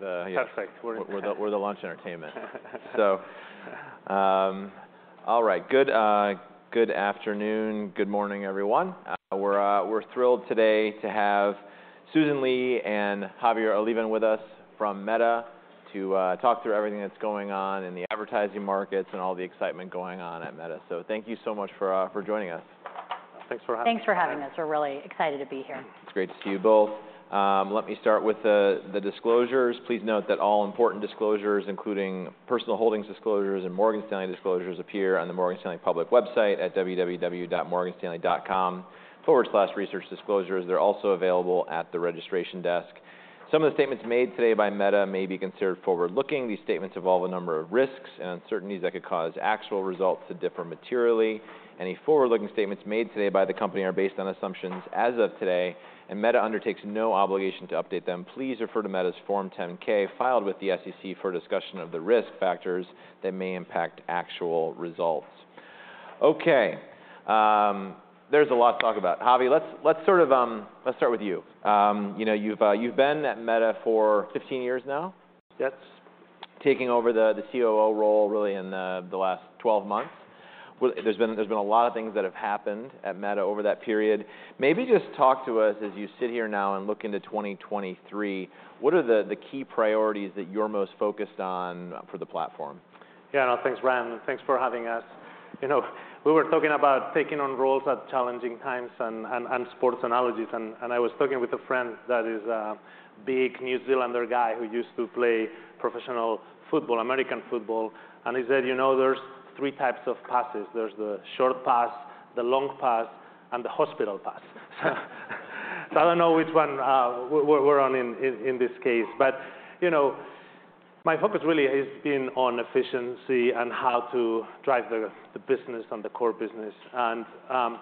The. Perfect. We're in there. We're the launch entertainment. All right. Good afternoon, good morning, everyone. We're thrilled today to have Susan Li and Javier Olivan with us from Meta to talk through everything that's going on in the advertising markets and all the excitement going on at Meta. Thank you so much for joining us. Thanks for having us. Thanks for having us. We're really excited to be here. It's great to see you both. Let me start with the disclosures. Please note that all important disclosures, including personal holdings disclosures and Morgan Stanley disclosures appear on the Morgan Stanley public website at www.morganstanley.com/researchdisclosures. They're also available at the registration desk. Some of the statements made today by Meta may be considered forward-looking. These statements involve a number of risks and uncertainties that could cause actual results to differ materially. Any forward-looking statements made today by the company are based on assumptions as of today. Meta undertakes no obligation to update them. Please refer to Meta's Form 10-K filed with the SEC for a discussion of the risk factors that may impact actual results. Okay. There's a lot to talk about. Javi, let's sort of, let's start with you. You know, you've been at Meta for 15 years now. Taking over the COO role really in the last 12 months. There's been a lot of things that have happened at Meta over that period. Maybe just talk to us as you sit here now and look into 2023, what are the key priorities that you're most focused on for the platform? No, thanks, Brian. Thanks for having us. You know, we were talking about taking on roles at challenging times and sports analogies, and I was talking with a friend that is a big New Zealander guy who used to play professional football, American football, and he said, you know, there's three types of passes. There's the short pass, the long pass, and the hospital pass. I don't know which one we're on in this case. You know, my focus really has been on efficiency and how to drive the business and the core business.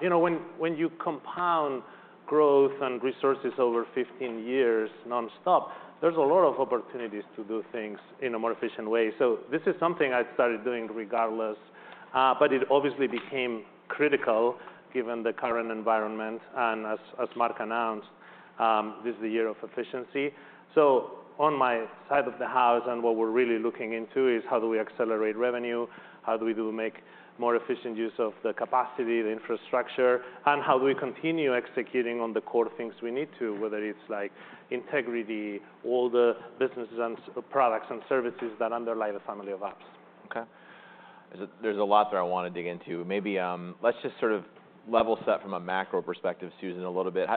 You know, when you compound growth and resources over 15 years non-stop, there's a lot of opportunities to do things in a more efficient way. This is something I started doing regardless, but it obviously became critical given the current environment. As Mark announced, this is the Year of Efficiency. On my side of the house and what we're really looking into is how do we accelerate revenue, how do we make more efficient use of the capacity, the infrastructure, and how do we continue executing on the core things we need to, whether it's, like, integrity, all the businesses and products and services that underlie the Family of Apps. Okay. There's a lot there I want to dig into. Maybe, let's just sort of level set from a macro perspective, Susan, a little bit.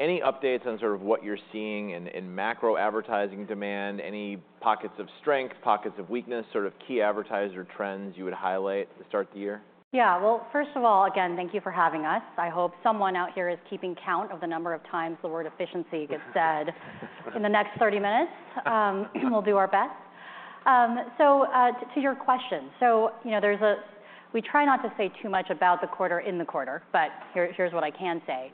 Any updates on sort of what you're seeing in macro advertising demand? Any pockets of strength, pockets of weakness, sort of key advertiser trends you would highlight to start the year? Yeah. Well, first of all, again, thank you for having us. I hope someone out here is keeping count of the number of times the word efficiency gets said in the next 30 minutes. We'll do our best. To your question. You know, we try not to say too much about the quarter in the quarter, here's what I can say.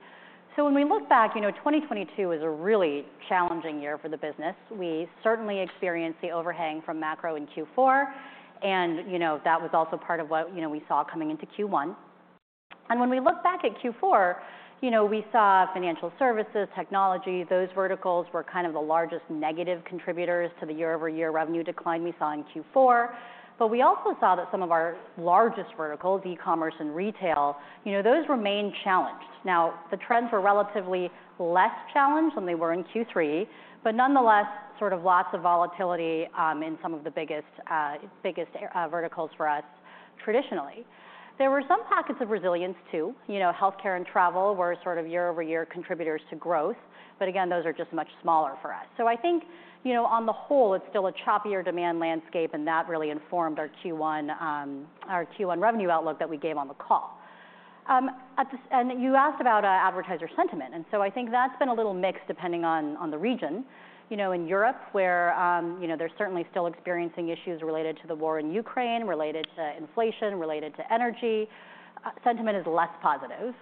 When we look back, you know, 2022 was a really challenging year for the business. We certainly experienced the overhang from macro in Q4, you know, that was also part of what, you know, we saw coming into Q1. When we look back at Q4, you know, we saw financial services, technology, those verticals were kind of the largest negative contributors to the year-over-year revenue decline we saw in Q4. We also saw that some of our largest verticals, e-commerce and retail, you know, those remain challenged. The trends were relatively less challenged than they were in Q3, but nonetheless sort of lots of volatility in some of the biggest verticals for us traditionally. There were some pockets of resilience too. You know, healthcare and travel were sort of year-over-year contributors to growth, but again, those are just much smaller for us. I think, you know, on the whole, it's still a choppier demand landscape, and that really informed our Q1, our Q1 revenue outlook that we gave on the call. You asked about advertiser sentiment, and so I think that's been a little mixed depending on the region. You know, in Europe where, you know, they're certainly still experiencing issues related to the war in Ukraine, related to inflation, related to energy, sentiment is less positive.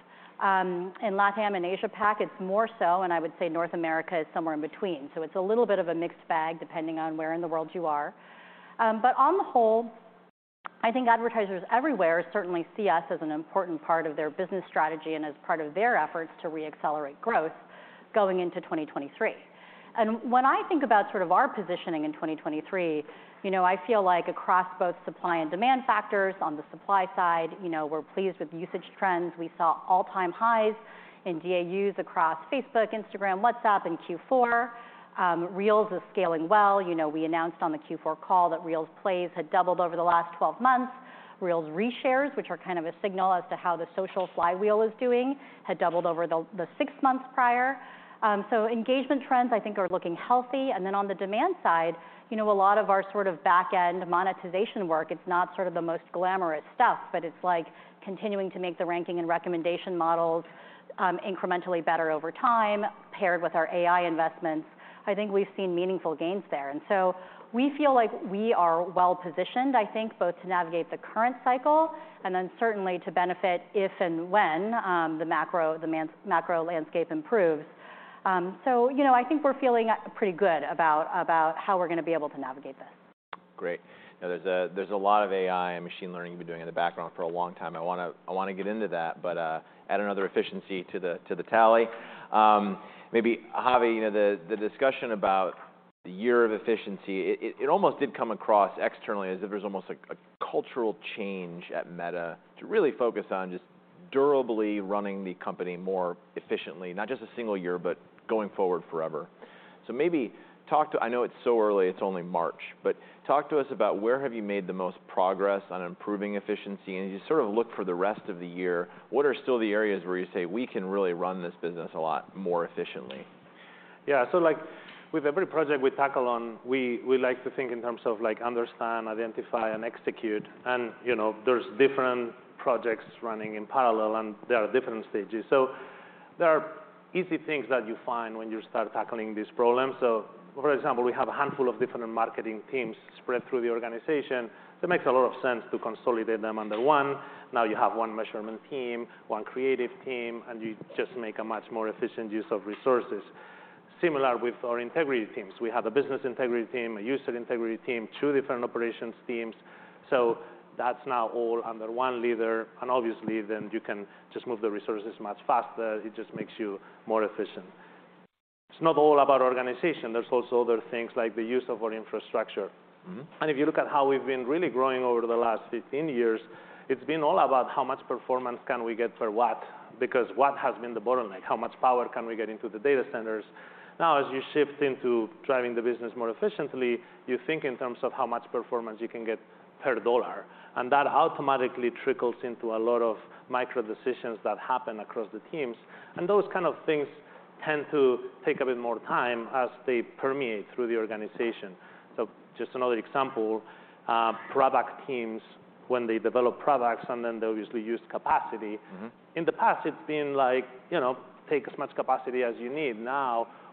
In LATAM and Asia Pac, it's more so. I would say North America is somewhere in between. It's a little bit of a mixed bag depending on where in the world you are. On the whole, I think advertisers everywhere certainly see us as an important part of their business strategy and as part of their efforts to re-accelerate growth going into 2023. When I think about sort of our positioning in 2023, you know, I feel like across both supply and demand factors, on the supply side, you know, we're pleased with usage trends. We saw all-time highs in DAUs across Facebook, Instagram, WhatsApp in Q4. Reels is scaling well. You know, we announced on the Q4 call that Reels plays had doubled over the last 12 months. Reels reshares, which are kind of a signal as to how the social flywheel is doing, had doubled over the six months prior. Engagement trends I think are looking healthy. On the demand side, you know, a lot of our sort of back-end monetization work, it's not sort of the most glamorous stuff, but it's, like, continuing to make the ranking and recommendation models incrementally better over time, paired with our AI investments. I think we've seen meaningful gains there. We feel like we are well-positioned, I think, both to navigate the current cycle and then certainly to benefit if and when the macro landscape improves. You know, I think we're feeling pretty good about how we're gonna be able to navigate this. Great. Now there's a lot of AI and machine learning you've been doing in the background for a long time. I wanna get into that, but add another efficiency to the tally. Maybe, Javi, you know, the discussion about the Year of Efficiency, it almost did come across externally as if there's almost like a cultural change at Meta to really focus on just durably running the company more efficiently, not just a single year, but going forward forever. Maybe I know it's so early, it's only March, but talk to us about where have you made the most progress on improving efficiency? As you sort of look for the rest of the year, what are still the areas where you say, "We can really run this business a lot more efficiently"? Yeah. Like, with every project we tackle on, we like to think in terms of like understand, identify, and execute. You know, there's different projects running in parallel, and they are different stages. There are easy things that you find when you start tackling these problems. For example, we have a handful of different marketing teams spread through the organization that makes a lot of sense to consolidate them under one. Now you have one measurement team, one creative team, and you just make a much more efficient use of resources. Similar with our integrity teams. We have a business integrity team, a user integrity team, two different operations teams. That's now all under one leader, obviously then you can just move the resources much faster. It just makes you more efficient. It's not all about organization. There's also other things like the use of our infrastructure. Mm-hmm. If you look at how we've been really growing over the last 15 years, it's been all about how much performance can we get for what, because what has been the bottleneck? How much power can we get into the data centers? As you shift into driving the business more efficiently, you think in terms of how much performance you can get per $. That automatically trickles into a lot of micro decisions that happen across the teams. Those kind of things tend to take a bit more time as they permeate through the organization. Just another example, product teams, when they develop products and then they obviously use capacity. Mm-hmm. In the past it's been like, you know, take as much capacity as you need.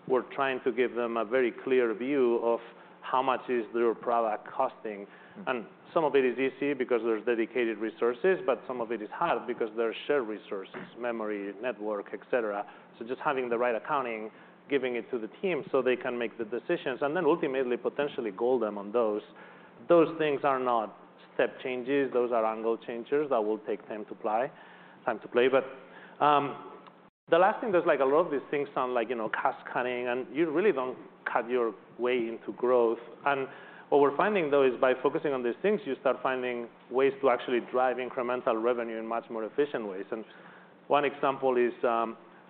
We're trying to give them a very clear view of how much is their product costing. Mm-hmm. Some of it is easy because there's dedicated resources, but some of it is hard because there are shared resources, memory, network, et cetera. Just having the right accounting, giving it to the team so they can make the decisions, and then ultimately potentially goal them on those. Those things are not step changes. Those are angle changes that will take time to apply, time to play. The last thing, there's like a lot of these things sound like, you know, cost cutting and you really don't cut your way into growth. What we're finding though is by focusing on these things, you start finding ways to actually drive incremental revenue in much more efficient ways. One example is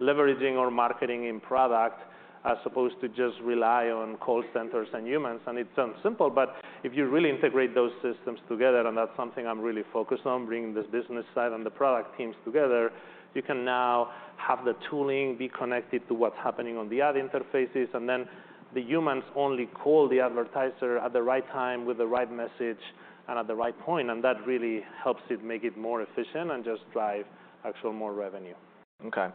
leveraging our marketing in product as opposed to just rely on call centers and humans. It sounds simple, but if you really integrate those systems together, and that's something I'm really focused on, bringing this business side and the product teams together, you can now have the tooling be connected to what's happening on the ad interfaces, and then the humans only call the advertiser at the right time with the right message and at the right point, and that really helps it make it more efficient and just drive actual, more revenue. Okay.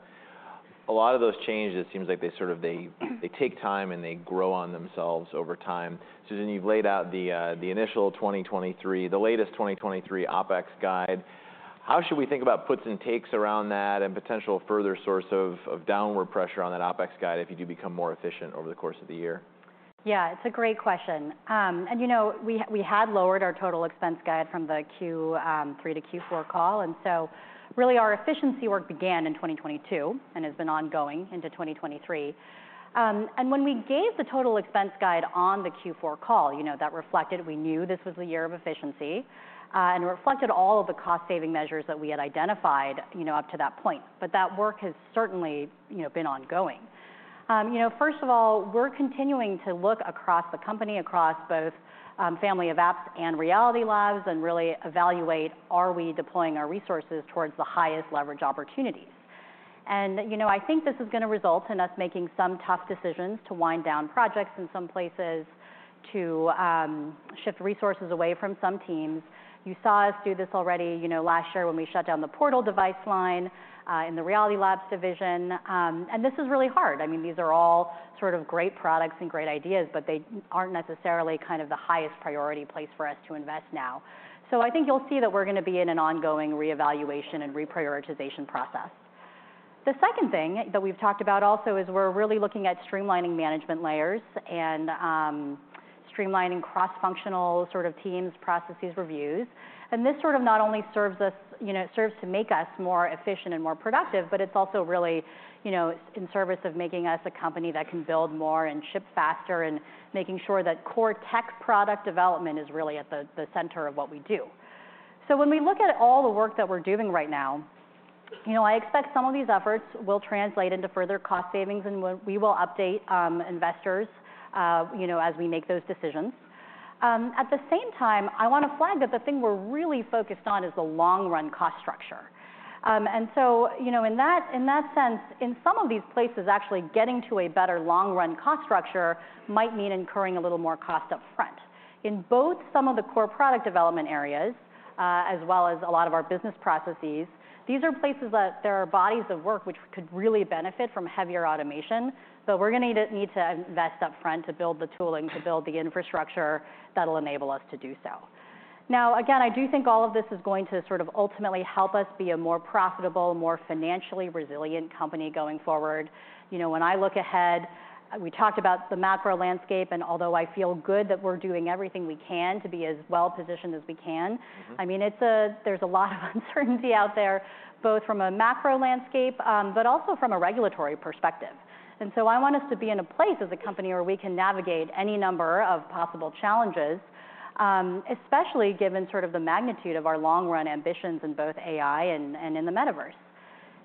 A lot of those changes, it seems like they sort of, they take time and they grow on themselves over time. Susan, you've laid out the latest 2023 OpEx guide. How should we think about puts and takes around that and potential further source of downward pressure on that OpEx guide if you do become more efficient over the course of the year? Yeah, it's a great question. You know, we had lowered our total expense guide from the Q3 to Q4 call, really our efficiency work began in 2022 and has been ongoing into 2023. When we gave the total expense guide on the Q4 call, you know, that reflected we knew this was the Year of Efficiency, and reflected all of the cost saving measures that we had identified, you know, up to that point. That work has certainly, you know, been ongoing. You know, first of all, we're continuing to look across the company, across both, Family of Apps and Reality Labs and really evaluate are we deploying our resources towards the highest leverage opportunities. You know, I think this is gonna result in us making some tough decisions to wind down projects in some places to shift resources away from some teams. You saw us do this already, you know, last year when we shut down the Portal device line in the Reality Labs division. This is really hard. I mean, these are all sort of great products and great ideas, but they aren't necessarily kind of the highest priority place for us to invest now. I think you'll see that we're gonna be in an ongoing reevaluation and reprioritization process. The second thing that we've talked about also is we're really looking at streamlining management layers and streamlining cross-functional sort of teams, processes, reviews. This sort of not only serves us, you know, it serves to make us more efficient and more productive, but it's also really, you know, in service of making us a company that can build more and ship faster and making sure that core tech product development is really at the center of what we do. When we look at all the work that we're doing right now, you know, I expect some of these efforts will translate into further cost savings and we'll, we will update investors, you know, as we make those decisions. At the same time, I wanna flag that the thing we're really focused on is the long run cost structure. You know, in that, in that sense, in some of these places, actually getting to a better long run cost structure might mean incurring a little more cost up front. In both some of the core product development areas, as well as a lot of our business processes, these are places that there are bodies of work which could really benefit from heavier automation, but we're gonna need to invest upfront to build the tooling, to build the infrastructure that'll enable us to do so. Again, I do think all of this is going to sort of ultimately help us be a more profitable, more financially resilient company going forward. You know, when I look ahead, we talked about the macro landscape, and although I feel good that we're doing everything we can to be as well-positioned as we can- Mm-hmm. I mean, there's a lot of uncertainty out there, both from a macro landscape, but also from a regulatory perspective. I want us to be in a place as a company where we can navigate any number of possible challenges, especially given sort of the magnitude of our long-run ambitions in both AI and in the metaverse.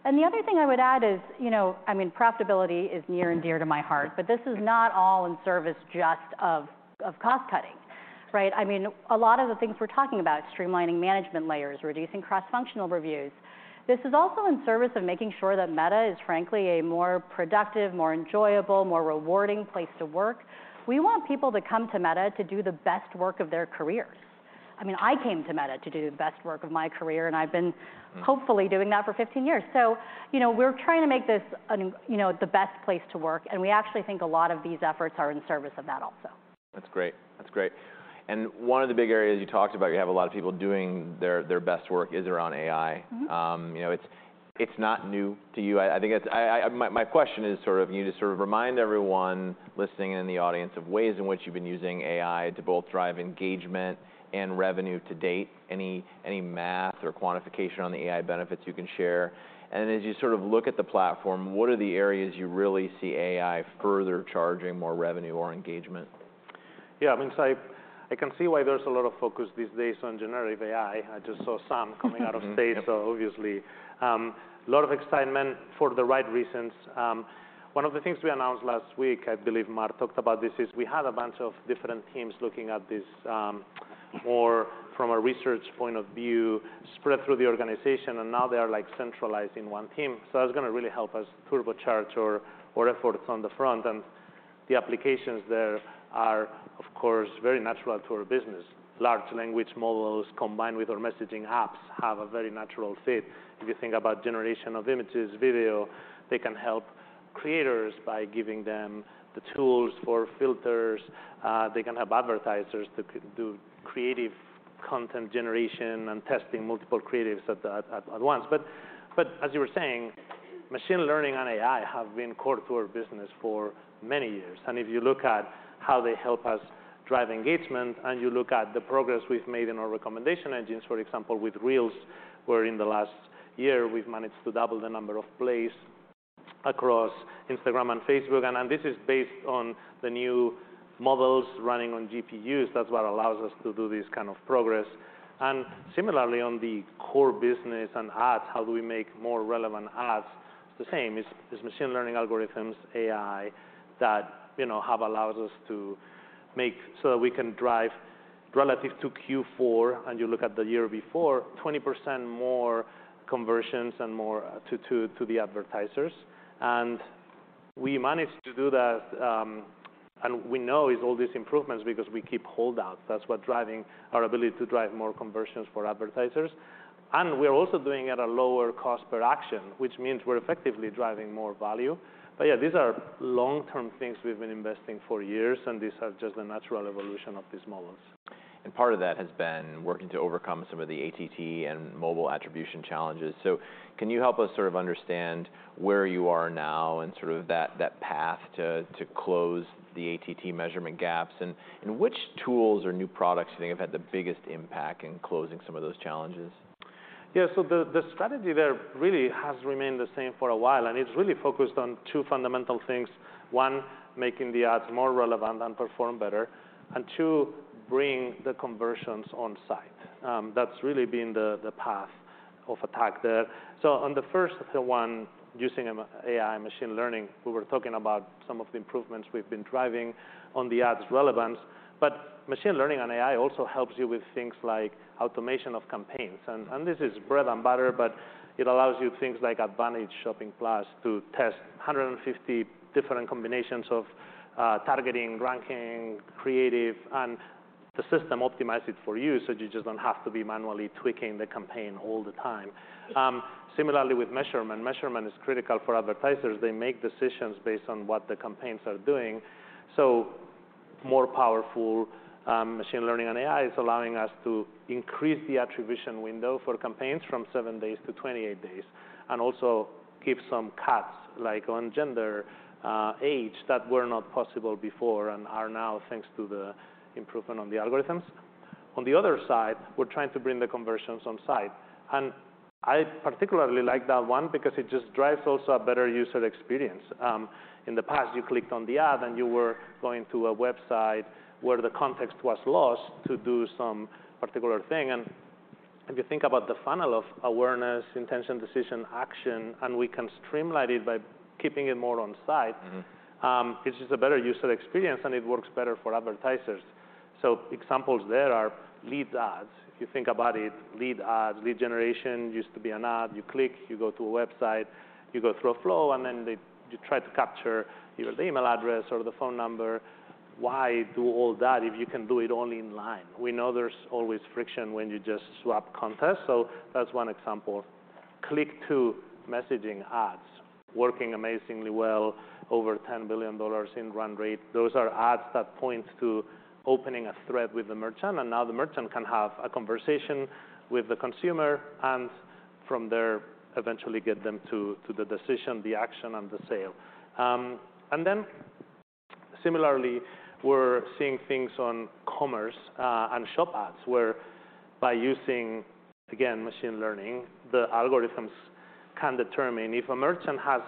The other thing I would add is, you know, I mean profitability is near and dear to my heart Mm-hmm. But this is not all in service just of cost-cutting, right? I mean, a lot of the things we're talking about, streamlining management layers, reducing cross-functional reviews, this is also in service of making sure that Meta is, frankly, a more productive, more enjoyable, more rewarding place to work. We want people to come to Meta to do the best work of their careers. I mean, I came to Meta to do the best work of my career, and I've been- Mm. Hopefully doing that for 15 years. You know, we're trying to make this an, you know, the best place to work, and we actually think a lot of these efforts are in service of that also. That's great. That's great. One of the big areas you talked about, you have a lot of people doing their best work is around AI. Mm-hmm. You know, it's not new to you. My question is sort of, can you just sort of remind everyone listening in the audience of ways in which you've been using AI to both drive engagement and revenue to date? Any math or quantification on the AI benefits you can share? As you sort of look at the platform, what are the areas you really see AI further charging more revenue or engagement? Yeah. I mean, I can see why there's a lot of focus these days on generative AI. Mm. Coming out of stage. Obviously, a lot of excitement for the right reasons. One of the things we announced last week, I believe Mark talked about this, is we had a bunch of different teams looking at this, more from a research point of view spread through the organization, and now they are, like, centralized in one team. That's gonna really help us turbocharge our efforts on the front. The applications there are, of course, very natural to our business. Large language models combined with our messaging apps have a very natural fit. If you think about generation of images, video, they can help creators by giving them the tools for filters. They can help advertisers to do creative content generation and testing multiple creatives at once. As you were saying, machine learning and AI have been core to our business for many years. If you look at how they help us drive engagement, and you look at the progress we've made in our recommendation engines, for example, with Reels, where in the last year we've managed to double the number of plays across Instagram and Facebook, and this is based on the new models running on GPUs. That's what allows us to do this kind of progress. Similarly, on the core business and ads, how do we make more relevant ads? The same. It's machine learning algorithms, AI, that, you know, have allowed us to make so that we can drive relative to Q4, and you look at the year before, 20% more conversions and more to the advertisers. We managed to do that, and we know it's all these improvements because we keep holdouts. That's what driving our ability to drive more conversions for advertisers. We're also doing at a lower cost per action, which means we're effectively driving more value. Yeah, these are long-term things we've been investing for years, and these are just the natural evolution of these models. Part of that has been working to overcome some of the ATT and mobile attribution challenges. Can you help us sort of understand where you are now and sort of that path to close the ATT measurement gaps? Which tools or new products do you think have had the biggest impact in closing some of those challenges? Yeah. The strategy there really has remained the same for a while, and it's really focused on two fundamental things. One, making the ads more relevant and perform better, and two, bring the conversions on site. That's really been the path of attack there. On the first one, using AI machine learning, we were talking about some of the improvements we've been driving on the ads relevance. Machine learning and AI also helps you with things like automation of campaigns. This is bread and butter, but it allows you things like Advantage+ shopping to test 150 different combinations of targeting, ranking, creative, and the system optimizes it for you, so you just don't have to be manually tweaking the campaign all the time. Similarly with measurement is critical for advertisers. They make decisions based on what the campaigns are doing. More powerful, machine learning and AI is allowing us to increase the attribution window for campaigns from seven days to 28 days, and also give some cuts, like on gender, age, that were not possible before and are now, thanks to the improvement on the algorithms. On the other side, we're trying to bring the conversions on site. I particularly like that one because it just drives also a better user experience. In the past, you clicked on the ad, and you were going to a website where the context was lost to do some particular thing. If you think about the funnel of awareness, intention, decision, action, and we can streamline it by keeping it more on site. Mm-hmm. it's just a better user experience, and it works better for advertisers. Examples there are lead ads. If you think about it, lead ads, lead generation used to be an ad. You click, you go to a website, you go through a flow, and then you try to capture your email address or the phone number. Why do all that if you can do it all inline? We know there's always friction when you just swap context. That's one example. Click-to-messaging ads working amazingly well, over $10 billion in run rate. Those are ads that point to opening a thread with the merchant, and now the merchant can have a conversation with the consumer and from there eventually get them to the decision, the action, and the sale. Similarly, we're seeing things on commerce, and Shops ads, where by using, again, machine learning, the algorithms can determine if a merchant has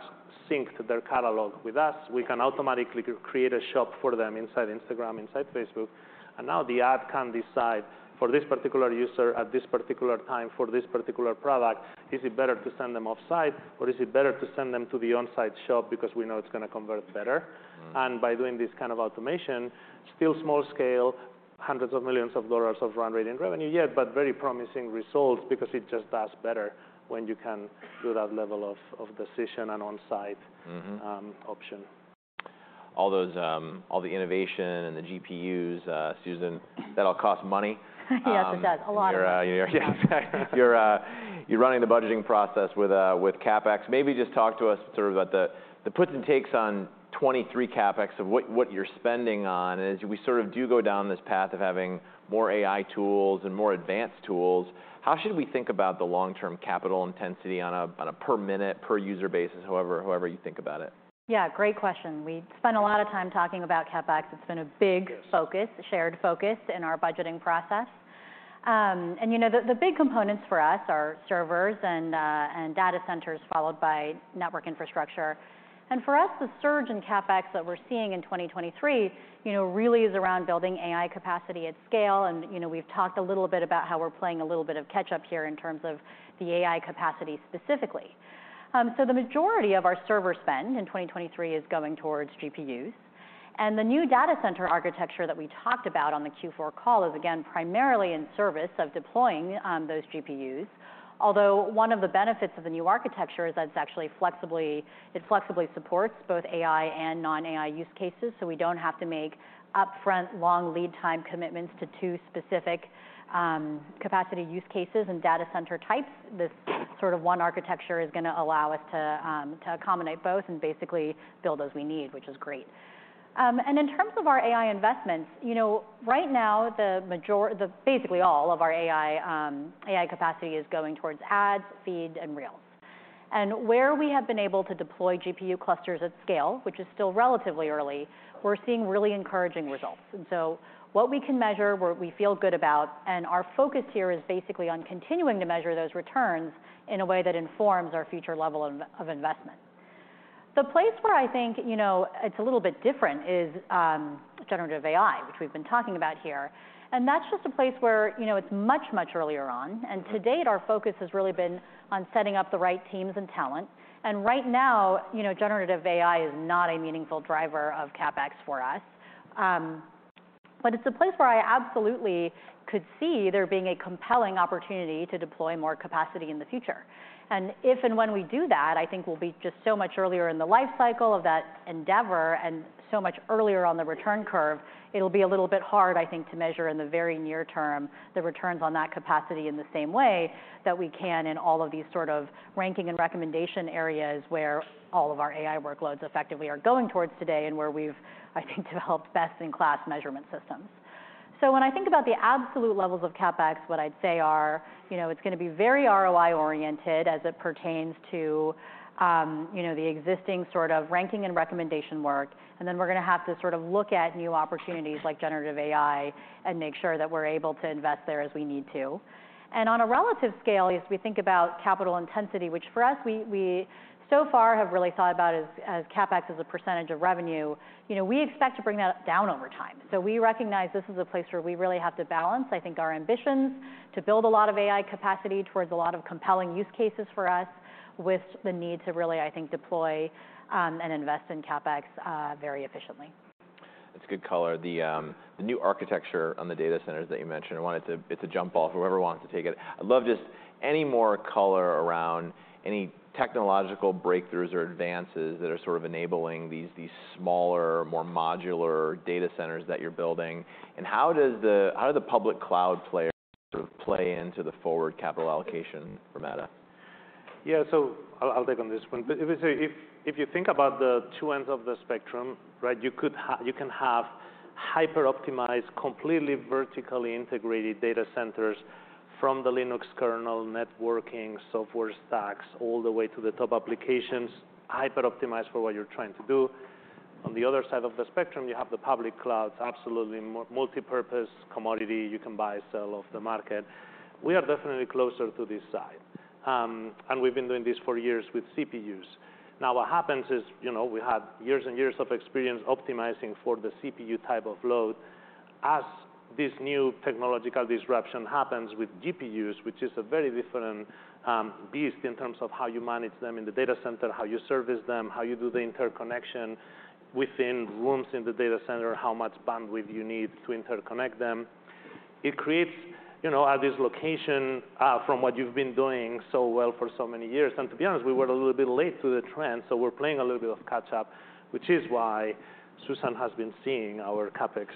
synced their catalog with us, we can automatically create a shop for them inside Instagram, inside Facebook. Now the ad can decide for this particular user at this particular time for this particular product, is it better to send them offsite or is it better to send them to the onsite shop because we know it's gonna convert better? Mm. By doing this kind of automation, still small scale, hundreds of millions of dollars of run rate in revenue, but very promising results because it just does better when you can do that level of decision. Mm-hmm Option. All those, all the innovation and the GPUs, Susan, that all costs money. Yes, it does. A lot of money. Exactly. You're running the budgeting process with CapEx. Just talk to us sort of at the puts and takes on 2023 CapEx of what you're spending on as we sort of do go down this path of having more AI tools and more advanced tools. How should we think about the long-term capital intensity on a per minute, per user basis? However you think about it. Yeah, great question. We spent a lot of time talking about CapEx. Yes Focus, shared focus in our budgeting process. You know, the big components for us are servers and data centers, followed by network infrastructure. For us, the surge in CapEx that we're seeing in 2023, you know, really is around building AI capacity at scale. You know, we've talked a little bit about how we're playing a little bit of catch-up here in terms of the AI capacity specifically. The majority of our server spend in 2023 is going towards GPUs. The new data center architecture that we talked about on the Q4 call is, again, primarily in service of deploying those GPUs. Although one of the benefits of the new architecture is that it's actually flexibly, it flexibly supports both AI and non-AI use cases, so we don't have to make upfront long lead time commitments to two specific capacity use cases and data center types. This sort of one architecture is gonna allow us to accommodate both and basically build as we need, which is great. In terms of our AI investments, you know, right now basically all of our AI capacity is going towards ads, Feed, and Reels. Where we have been able to deploy GPU clusters at scale, which is still relatively early, we're seeing really encouraging results. What we can measure, what we feel good about, and our focus here is basically on continuing to measure those returns in a way that informs our future level of investment. The place where I think, you know, it's a little bit different is generative AI, which we've been talking about here. That's just a place where, you know, it's much, much earlier on. Right. To date, our focus has really been on setting up the right teams and talent. Right now, you know, generative AI is not a meaningful driver of CapEx for us. But it's a place where I absolutely could see there being a compelling opportunity to deploy more capacity in the future. If and when we do that, I think we'll be just so much earlier in the life cycle of that endeavor and so much earlier on the return curve, it'll be a little bit hard, I think, to measure in the very near term the returns on that capacity in the same way that we can in all of these sort of ranking and recommendation areas where all of our AI workloads effectively are going towards today and where we've, I think, developed best-in-class measurement systems. When I think about the absolute levels of CapEx, what I'd say are, you know, it's gonna be very ROI-oriented as it pertains to, you know, the existing sort of ranking and recommendation work. Then we're gonna have to sort of look at new opportunities like generative AI and make sure that we're able to invest there as we need to. On a relative scale, as we think about capital intensity, which for us, we so far have really thought about as CapEx as a % of revenue, you know, we expect to bring that down over time. We recognize this is a place where we really have to balance, I think, our ambitions to build a lot of AI capacity towards a lot of compelling use cases for us with the need to really, I think, deploy, and invest in CapEx, very efficiently. That's good color. The new architecture on the data centers that you mentioned, I wanted to, it's a jump off whoever wants to take it. I'd love just any more color around any technological breakthroughs or advances that are sort of enabling these smaller, more modular data centers that you're building. How do the public cloud players sort of play into the forward capital allocation for Meta? I'll take on this one. If you think about the two ends of the spectrum, right? You can have hyper-optimized, completely vertically integrated data centers from the Linux kernel, networking, software stacks, all the way to the top applications, hyper-optimized for what you're trying to do. On the other side of the spectrum, you have the public clouds, absolutely multipurpose commodity you can buy, sell off the market. We are definitely closer to this side. And we've been doing this for years with CPUs. What happens is, you know, we have years and years of experience optimizing for the CPU type of load. As this new technological disruption happens with GPUs, which is a very different beast in terms of how you manage them in the data center, how you service them, how you do the interconnection within rooms in the data center, how much bandwidth you need to interconnect them. It creates, you know, this location from what you've been doing so well for so many years. To be honest, we were a little bit late to the trend, so we're playing a little bit of catch-up, which is why Susan has been seeing our CapEx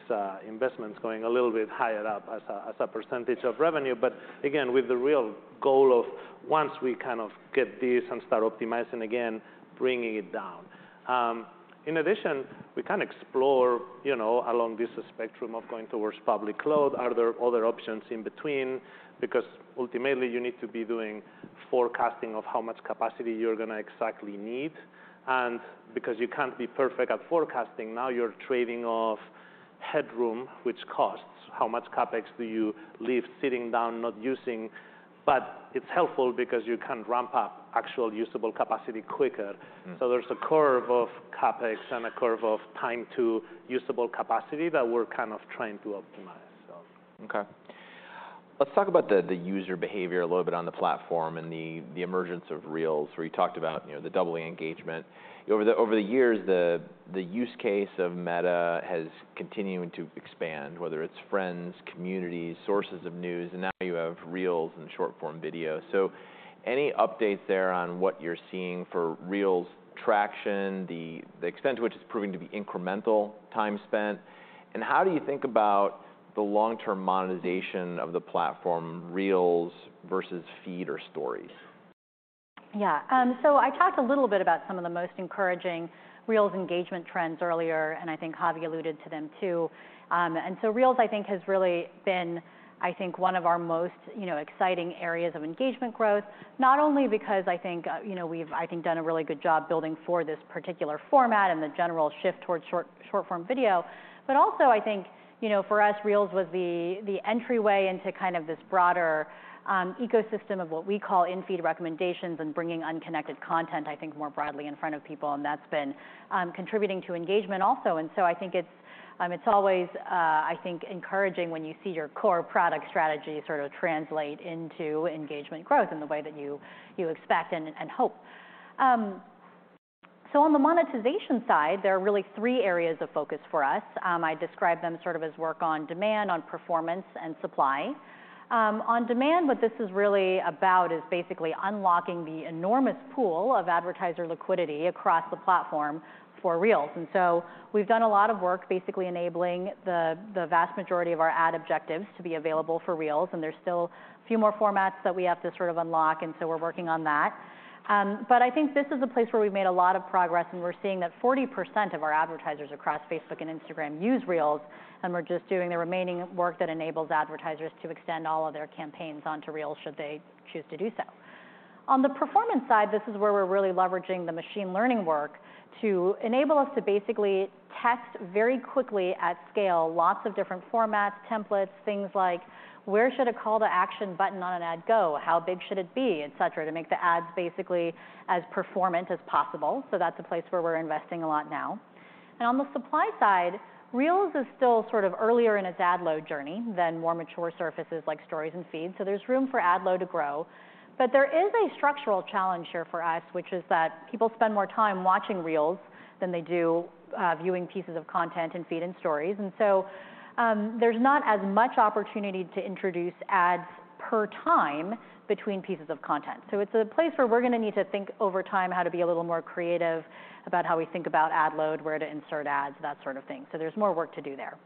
investments going a little bit higher up as a percentage of revenue. Again, with the real goal of once we kind of get this and start optimizing again, bringing it down. In addition, we can explore, you know, along this spectrum of going towards public cloud, are there other options in between? Ultimately you need to be doing forecasting of how much capacity you're gonna exactly need, and because you can't be perfect at forecasting, now you're trading off headroom, which costs how much CapEx do you leave sitting down not using. It's helpful because you can ramp up actual usable capacity quicker. Mm. There's a curve of CapEx and a curve of time to usable capacity that we're kind of trying to optimize. Okay. Let's talk about the user behavior a little bit on the platform and the emergence of Reels, where you talked about, you know, the doubling engagement. Over the years, the use case of Meta has continued to expand, whether it's friends, communities, sources of news, and now you have Reels and short-form video. Any updates there on what you're seeing for Reels traction, the extent to which it's proving to be incremental time spent, and how do you think about the long-term monetization of the platform, Reels versus Feed or Stories? Yeah. I talked a little bit about some of the most encouraging Reels engagement trends earlier, and I think Javi alluded to them, too. Reels I think has really been, I think, one of our most, you know, exciting areas of engagement growth, not only because I think, you know, we've, I think, done a really good job building for this particular format and the general shift towards short-form video, but also I think, you know, for us, Reels was the entryway into kind of this broader ecosystem of what we call in-feed recommendations and bringing unconnected content, I think, more broadly in front of people, and that's been contributing to engagement also. I think it's always, I think, encouraging when you see your core product strategy sort of translate into engagement growth in the way that you expect and hope. On the monetization side, there are really three areas of focus for us. I describe them sort of as work on demand, on performance, and supply. On demand, what this is really about is basically unlocking the enormous pool of advertiser liquidity across the platform for Reels. We've done a lot of work basically enabling the vast majority of our ad objectives to be available for Reels, and there's still a few more formats that we have to sort of unlock, and so we're working on that. I think this is a place where we've made a lot of progress, we're seeing that 40% of our advertisers across Facebook and Instagram use Reels, we're just doing the remaining work that enables advertisers to extend all of their campaigns onto Reels should they choose to do so. On the performance side, this is where we're really leveraging the machine learning work to enable us to basically test very quickly at scale lots of different formats, templates, things like where should a call to action button on an ad go, how big should it be, et cetera, to make the ads basically as performant as possible. That's a place where we're investing a lot now. On the supply side, Reels is still sort of earlier in its ad load journey than more mature surfaces like Stories and Feed. There's room for ad load to grow. There is a structural challenge here for us, which is that people spend more time watching Reels than they do viewing pieces of content in Feed and Stories. There's not as much opportunity to introduce ads per time between pieces of content. It's a place where we're gonna need to think over time how to be a little more creative about how we think about ad load, where to insert ads, that sort of thing. There's more work to do there.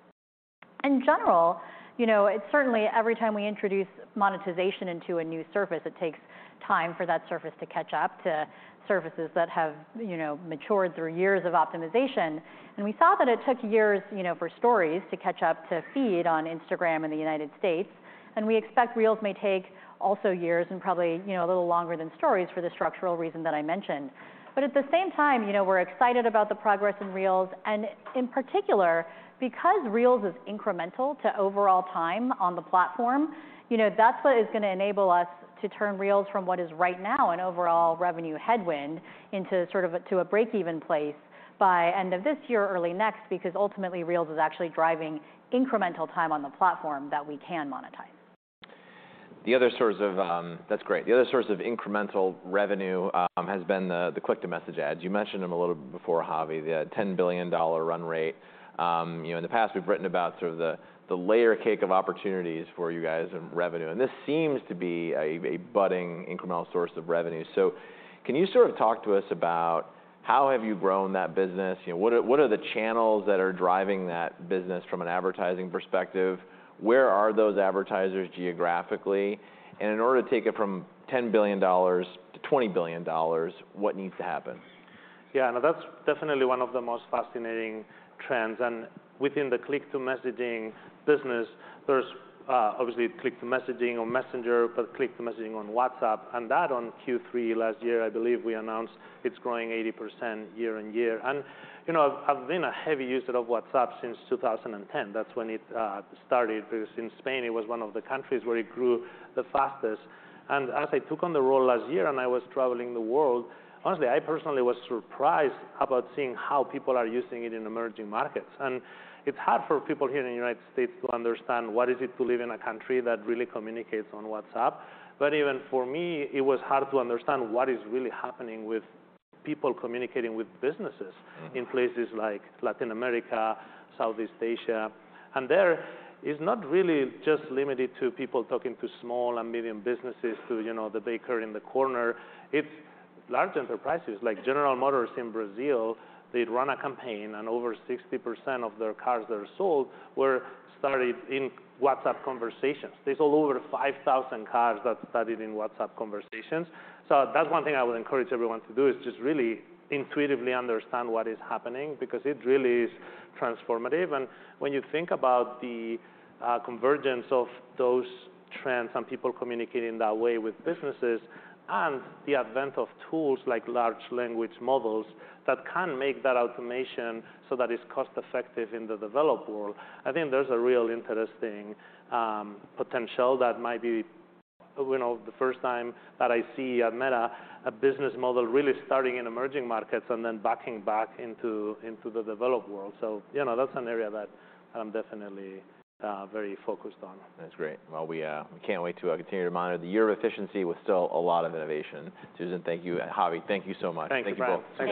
In general, you know, it's certainly every time we introduce monetization into a new surface, it takes time for that surface to catch up to services that have, you know, matured through years of optimization. We saw that it took years, you know, for Stories to catch up to Feed on Instagram in the United States, and we expect Reels may take also years and probably, you know, a little longer than Stories for the structural reason that I mentioned. At the same time, you know, we're excited about the progress in Reels, and in particular, because Reels is incremental to overall time on the platform, you know, that's what is gonna enable us to turn Reels from what is right now an overall revenue headwind into sort of a, to a break-even place by end of this year or early next, because ultimately, Reels is actually driving incremental time on the platform that we can monetize. The other source of. That's great. The other source of incremental revenue has been the click-to-message ads. You mentioned them a little bit before, Javi, the $10 billion run rate. You know, in the past we've written about sort of the layer cake of opportunities for you guys in revenue, and this seems to be a budding incremental source of revenue. Can you sort of talk to us about how have you grown that business? You know, what are the channels that are driving that business from an advertising perspective? Where are those advertisers geographically? In order to take it from $10 billion to $20 billion, what needs to happen? Yeah, no, that's definitely one of the most fascinating trends. Within the click-to-messaging business, there's obviously click-to-messaging on Messenger, but click-to-messaging on WhatsApp. That on Q3 last year, I believe we announced it's growing 80% year-on-year. You know, I've been a heavy user of WhatsApp since 2010. That's when it started because in Spain, it was one of the countries where it grew the fastest. As I took on the role last year and I was traveling the world, honestly, I personally was surprised about seeing how people are using it in emerging markets. It's hard for people here in the United States to understand what is it to live in a country that really communicates on WhatsApp. Even for me, it was hard to understand what is really happening with people communicating with businesses- Mm. In places like Latin America, Southeast Asia. There it's not really just limited to people talking to small and medium businesses, to, you know, the baker in the corner. It's large enterprises like General Motors in Brazil, they'd run a campaign and over 60% of their cars that are sold were started in WhatsApp conversations. They sold over 5,000 cars that started in WhatsApp conversations. That's one thing I would encourage everyone to do, is just really intuitively understand what is happening, because it really is transformative. When you think about the convergence of those trends and people communicating that way with businesses and the advent of tools like large language models that can make that automation so that it's cost-effective in the developed world, I think there's a real interesting potential that might be, you know, the first time that I see at Meta a business model really starting in emerging markets and then backing back into the developed world. You know, that's an area that I'm definitely very focused on. That's great. Well, we can't wait to continue to monitor. The Year of Efficiency was still a lot of innovation. Susan, thank you. Javi, thank you so much. Thank you, Brian. Thank you both. Thanks.